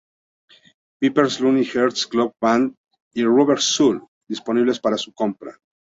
Pepper's Lonely Hearts Club Band y Rubber Soul", disponibles para su compra.